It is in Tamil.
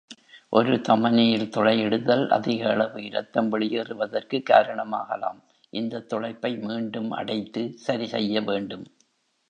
ஒரு தமனியில் துளையிடுதல் அதிகளவு இரத்தம் வெளியேறுவதற்கு காரணமாகலாம்; இந்தத் துளைப்பை மீண்டும் அடைத்து சரிசெய்ய வேண்டும்.